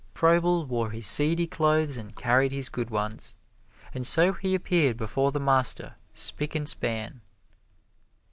Froebel wore his seedy clothes and carried his good ones, and so he appeared before the master spick and span.